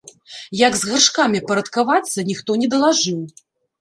Як з гаршкамі парадкавацца, ніхто не далажыў.